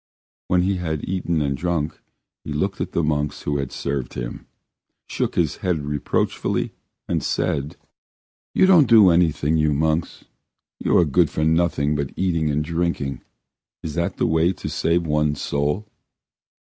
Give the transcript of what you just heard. When he had eaten and drunk he looked at the monks who were serving him, shook his head reproachfully, and said: "You don't do anything, you monks. You are good for nothing but eating and drinking. Is that the way to save one's soul?